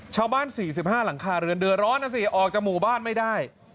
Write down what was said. ชาวบ้าน๔๕หลังคาเรือนเดือดร้อนนะสิออกจากหมู่บ้านไม่ได้